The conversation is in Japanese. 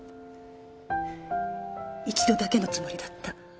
一度だけのつもりだった。